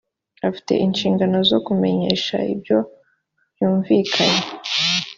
afite inshingano zo kumenyesha ibyo bumvikanye